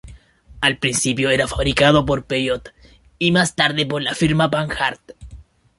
Al principio era fabricado por Peugeot y más tarde por la firma Panhard.